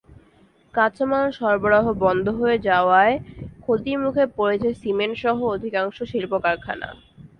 কাঁচামাল সরবরাহ বন্ধ হয়ে যাওয়ায় ক্ষতির মুখে পড়েছে সিমেন্টসহ অধিকাংশ শিল্পকারখানা।